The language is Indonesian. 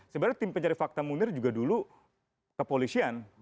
sebenarnya tim pencari fakta munir juga dulu kepolisian